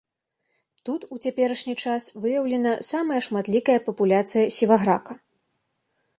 Тут у цяперашні час выяўлена самая шматлікая папуляцыя сіваграка.